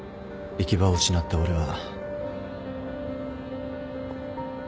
行き場を失った俺は。